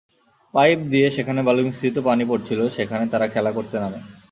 Pipe দিয়ে যেখানে বালুমিশ্রিত পানি পড়ছিল, সেখানে তারা খেলা করতে নামে।